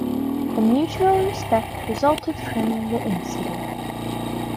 A mutual respect resulted from the incident.